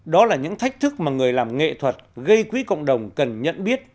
đó là những thách thức mà người làm nghệ thuật gây quỹ cộng đồng cần nhận biết